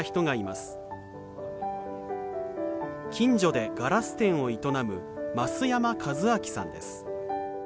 近所でガラス店を営む増山和晃さんです。